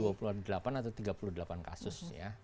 saya lupa ada dua puluh delapan atau tiga puluh delapan kasus